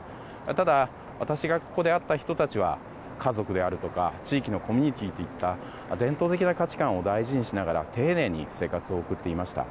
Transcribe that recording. ただ、私がここで会った人たちは家族であるとか、地域のコミュニティーといった伝統的な価値観を大事にしながら丁寧に生活を送っていました。